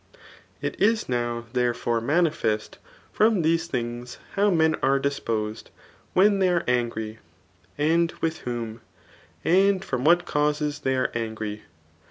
It is now therefore manifest from these things, how men are disposed when they are angry, and with whom, and from what causes they are angry.